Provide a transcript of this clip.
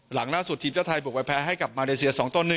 หลังล่าสุดทีมชาติไทยบุกไปแพ้ให้กับมาเลเซีย๒ต่อ๑